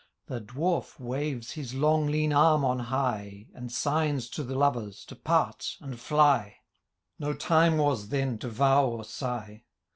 The Dwarf waves his long lean arm on high. And signs to the lovers to part and fly ; No time was then to vow or sigh.